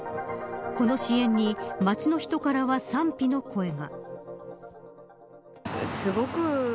この支援に街の人からは賛否の声が。